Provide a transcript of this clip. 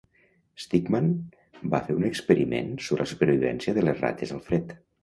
Steegman va fer un experiment sobre la supervivència de les rates al fred.